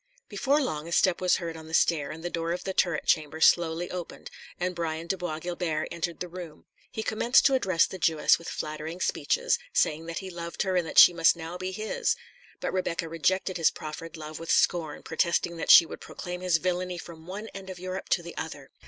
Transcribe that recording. Before long a step was heard on the stair, and the door of the turret chamber slowly opened, and Brian de Bois Guilbert entered the room. He commenced to address the Jewess with flattering speeches, saying that he loved her, and that she must now be his. But Rebecca rejected his proffered love with scorn, protesting that she would proclaim his villainy from one end of Europe to the other.